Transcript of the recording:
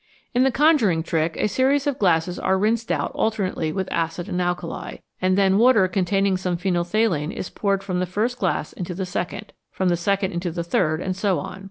In the conjuring trick a series of glasses are rinsed out alter nately with acid and alkali, and then water containing some phenol phthalein is poured from the first glass into the second, from the second into the third, and so on.